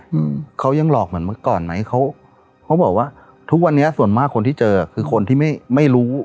อืมเขายังหลอกเหมือนเมื่อก่อนไหมเขาเขาบอกว่าทุกวันนี้ส่วนมากคนที่เจอคือคนที่ไม่ไม่รู้